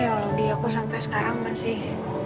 jokai aku sampai sekarang masih